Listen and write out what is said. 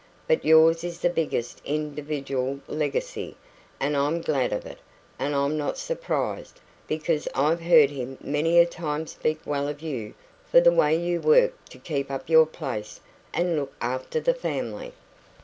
But yours is the biggest individual legacy; and I'm glad of it, and I'm not surprised, because I've heard him many a time speak well of you for the way you worked to keep up your place and look after the family."